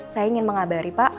saya ingin mengabari pak